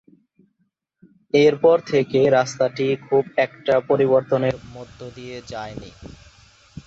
এরপর থেকে রাস্তাটি খুব একটা পরিবর্তনের মধ্য দিয়ে যায়নি।